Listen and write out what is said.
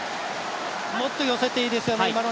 もっと寄せていいですよね、今の。